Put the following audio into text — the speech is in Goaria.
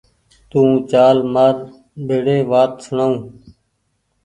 تو چآل مآر ڀيڙي وآت سوڻآئو